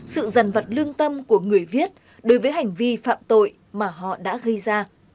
sự dần vật lương tâm của người viết đối với hành vi phạm tội mà họ đã gây ra